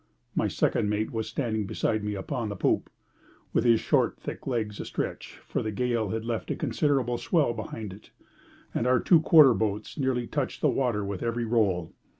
My second mate was standing beside me upon the poop, with his short, thick legs astretch, for the gale had left a considerable swell behind it, and our two quarter boats nearly touched the water with every roll.